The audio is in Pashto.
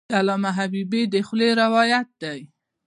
د علامه حبیبي د خولې روایت دی.